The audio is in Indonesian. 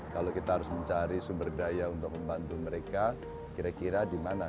kalau kita harus mencari sumber daya untuk membantu mereka kira kira di mana